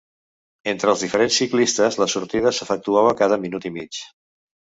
Entre els diferents ciclistes la sortida s'efectuava cada minut i mig.